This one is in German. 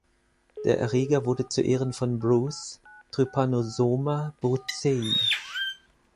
Der Erreger wurde zu Ehren von Bruce "Trypanosoma brucei.